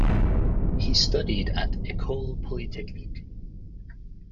He studied at Ecole Polytechnique.